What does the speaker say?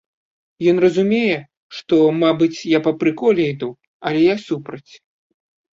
Ён разумее, што, мабыць, я па прыколе іду, але я супраць.